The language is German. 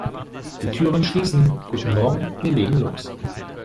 Die Türen schließen - Guten morgen, wir legen los!